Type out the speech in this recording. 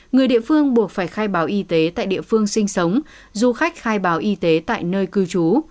người địa phương buộc phải khai báo y tế tại địa phương sinh sống du khách khai báo y tế tại nơi cư trú